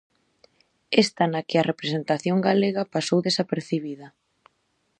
Esta na que a representación galega pasou desapercibida.